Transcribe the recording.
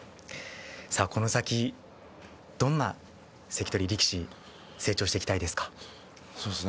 この先、どんな関取力士へ成長していきたいですか？